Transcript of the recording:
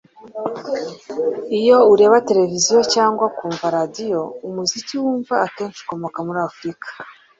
Iyo ureba televiziyo cyangwa ukumva radio, umuziki wumva akenshi ukomoka muri Afrika